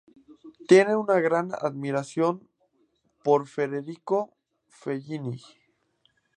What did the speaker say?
Tiene una gran admiración por Federico Fellini.